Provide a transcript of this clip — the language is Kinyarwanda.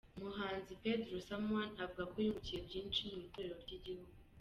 Umuhanzi Pedro Someone avuga ko yungukiye byinshi mu itorero ry'igihugu.